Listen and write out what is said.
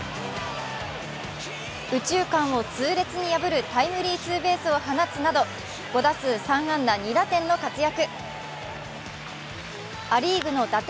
右中間を痛烈に破るタイムリーツーベースを放つなど、５打数３安打２打点の活躍。